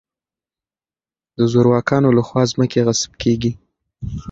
د زورواکانو له خوا ځمکې غصب کېږي.